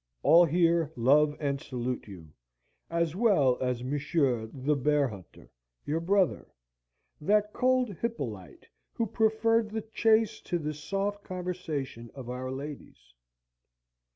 All here love and salute you, as well as Monsieur the Bear hunter, your brother (that cold Hippolyte who preferred the chase to the soft conversation of our ladies!)